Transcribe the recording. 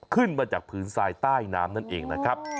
ขึ้นมาจากพื้นทรายใต้น้ำนั่นเองนะครับ